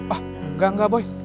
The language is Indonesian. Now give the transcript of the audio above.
oh enggak enggak boy